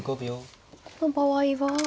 この場合は。